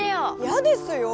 嫌ですよ！